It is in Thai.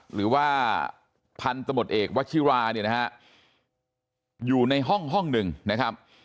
หรือว่าพันธุ์ตะหมดเอกวัชชิวาเนี่ยนะครับอยู่ในห้องหนึ่งนะครับ